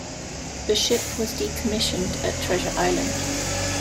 The ship was decommissioned at Treasure Island.